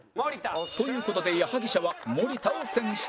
という事で矢作舎は森田を選出